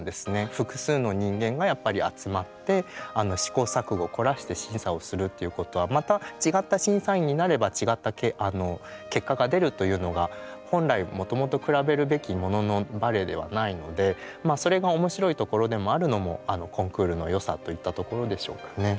複数の人間がやっぱり集まって試行錯誤を凝らして審査をするということはまた違った審査員になれば違った結果が出るというのが本来もともと比べるべきもののバレエではないのでまあそれが面白いところでもあるのもコンクールの良さといったところでしょうかね。